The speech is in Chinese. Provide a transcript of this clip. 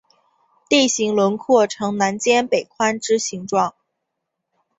地形轮廓呈南尖北宽之形状。